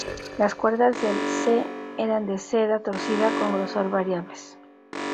Las cuerdas del "se "eran de seda torcida, con grosor variables.